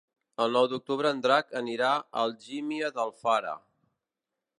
El nou d'octubre en Drac anirà a Algímia d'Alfara.